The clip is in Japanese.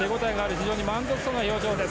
非常に満足そうな表情です。